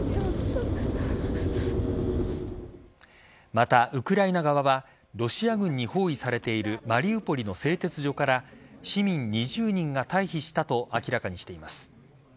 また、ウクライナ側はロシア軍に包囲されているマリウポリの製鉄所から市民２０人が退避したと明らかにしています。